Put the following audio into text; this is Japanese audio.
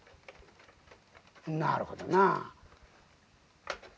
なるほどなあ。